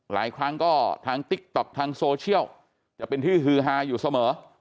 หลายครั้งก็ทางติ๊กต๊อกทางโซเชียลจะเป็นที่ฮือฮาอยู่เสมอ